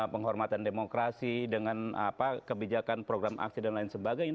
penghormatan demokrasi dengan kebijakan program aksi dan lain sebagainya